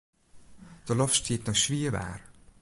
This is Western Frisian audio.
De loft stiet nei swier waar.